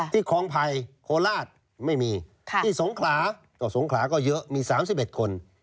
คลองไผ่โคราชไม่มีที่สงขลาก็สงขลาก็เยอะมี๓๑คน